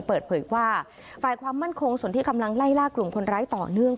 เปิดเผยว่าฝ่ายความมั่นคงส่วนที่กำลังไล่ล่ากลุ่มคนร้ายต่อเนื่อง